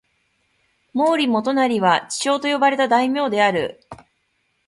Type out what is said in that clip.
毛利元就は智将と呼ばれた大名である。